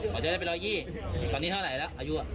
ก็จะได้เป็น๑๒๐ปีตอนนี้เท่าไหร่ละอายุ